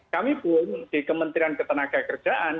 kami pun di kementerian ketenagakerjaan